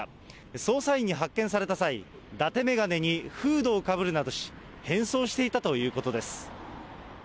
捜査員に発見された際、だて眼鏡にフードをかぶるなどし、変装していたということです。